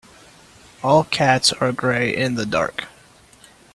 All cats are grey in the dark.